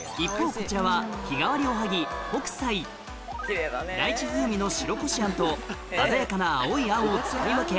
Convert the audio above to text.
こちらは日替わりおはぎライチ風味の白こしあんと鮮やかな青いあんを使い分け